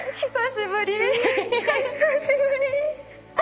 久しぶり！